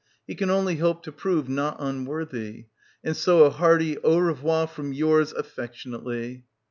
He can only hope to prove not unworthy; and so a hearty au re voir from yours affectionately.'